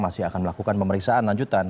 masih akan melakukan pemeriksaan lanjutan